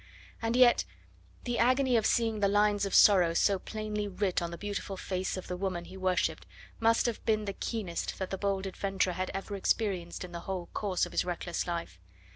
And yet the agony of seeing the lines of sorrow so plainly writ on the beautiful face of the woman he worshipped must have been the keenest that the bold adventurer had ever experienced in the whole course of his reckless life.